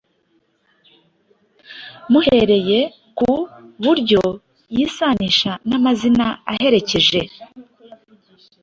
Muhereye ku buryo yisanisha n’amazina aherekeje,